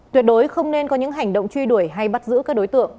tuyệt đối không nên có những hành động truy đuổi hay bắt giữ các đối tượng